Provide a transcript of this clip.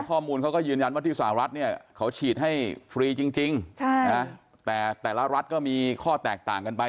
ข้อมูลเขาก็ยืนยันว่าที่สหรัฐเนี่ยเขาฉีดให้ฟรีจริงแต่แต่ละรัฐก็มีข้อแตกต่างกันไป